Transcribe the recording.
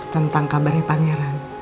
tentang kabarnya pangeran